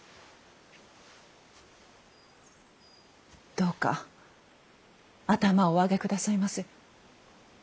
どうか頭をお上げ下さいませ。